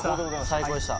最高でした。